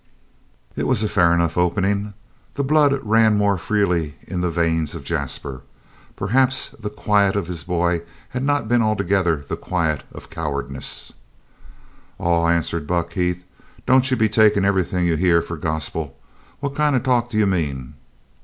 It was a fair enough opening. The blood ran more freely in the veins of Jasper. Perhaps the quiet of his boy had not been altogether the quiet of cowardice. "Aw," answered Buck Heath, "don't you be takin' everything you hear for gospel. What kind of talk do you mean?"